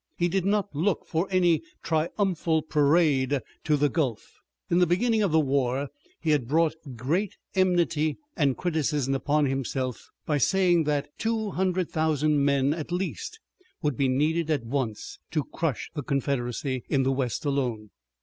He did not look for any triumphal parade to the Gulf. In the beginning of the war he had brought great enmity and criticism upon himself by saying that 200,000 men at least would be needed at once to crush the Confederacy in the west alone.